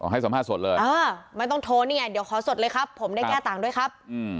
ให้สัมภาษณ์สดเลยไม่ต้องโทรเนี่ยเดี๋ยวขอสดเลยครับ